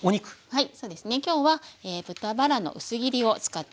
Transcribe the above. はい。